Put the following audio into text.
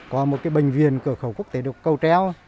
có một cái bệnh viện cửa khẩu quốc tế cầu treo